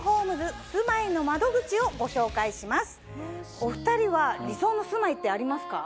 お２人は理想の住まいってありますか？